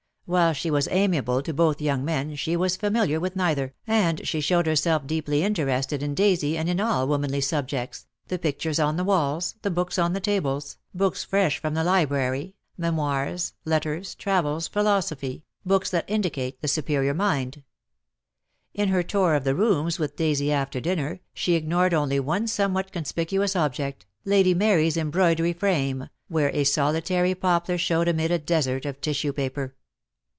While she was amiable to both young men she was familiar with neither, 1 68 DEAD LOVE HAS CHAINS. and she showed herself deeply interested in Daisy and in all womanly subjects, the pictures on the walls, the books on the tables, books fresh from the library, memoirs, letters, travels, philosophy, books that indicate the superior mind. In her tour of the rooms with Daisy after dinner, she ignored only one somewhat conspicuous object, Lady Mary's embroidery frame, where a solitary poplar showed amid a desert of tissue paper.